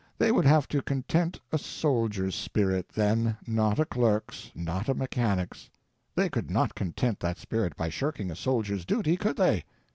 They would have to content a soldier's spirit then, not a clerk's, not a mechanic's. They could not content that spirit by shirking a soldier's duty, could they?